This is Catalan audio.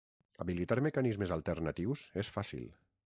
Habilitar mecanismes alternatius és fàcil.